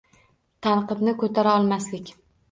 Tanqidni ko‘tara olmaslik